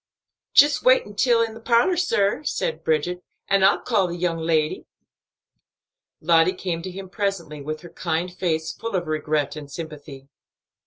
"Jist walk intil the parlor, sir," said Bridget, "an' I'll call the young lady." Lottie came to him presently, with her kind face full of regret and sympathy.